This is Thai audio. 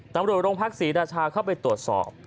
ตำรวจโรงพักศรีราชาเข้าไปตรวจสอบ